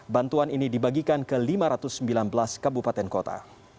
bantuan ini dibagikan ke lima ratus sembilan belas kabupaten kota